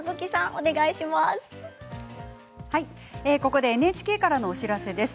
ここでＮＨＫからのお知らせです。